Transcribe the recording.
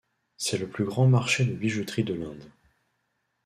C'est le plus grand marché de bijouterie de l'Inde.